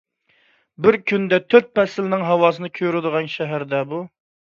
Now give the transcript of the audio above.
بىر كۈندە تۆت پەسىلنىڭ ھاۋاسىنى كۆرىدىغان شەھەر-دە بۇ!